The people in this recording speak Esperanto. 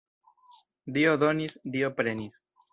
Dio donis, Dio prenis.